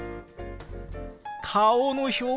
顔の表現！